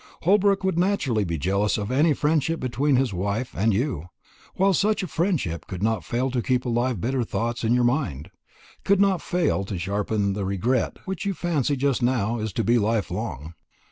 Holbrook would naturally be jealous of any friendship between his wife and you; while such a friendship could not fail to keep alive bitter thoughts in your mind could not fail to sharpen the regret which you fancy just now is to be life long.